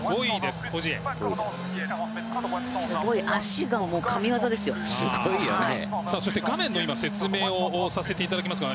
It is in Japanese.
すごい足が神技ですよ。